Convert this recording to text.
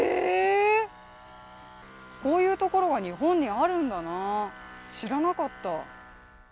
こういうところが日本にあるんだな知らなかった。